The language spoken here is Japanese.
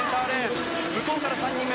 向こうから３人目